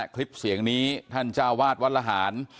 คลิปเสียงนี้ท่านเจ้าวาดวัดระหาร